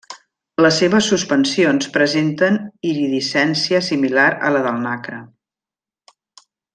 Les seves suspensions presenten iridescència similar a la del nacre.